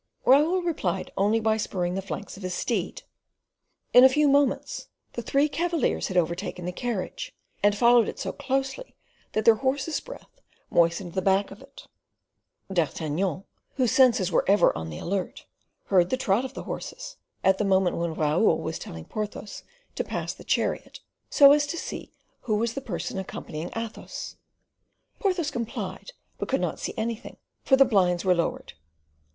Raoul replied only by spurring the flanks of his steed. In a few moments the three cavaliers had overtaken the carriage, and followed it so closely that their horses' breath moistened the back of it. D'Artagnan, whose senses were ever on the alert, heard the trot of the horses, at the moment when Raoul was telling Porthos to pass the chariot, so as to see who was the person accompanying Athos. Porthos complied, but could not see anything, for the blinds were lowered.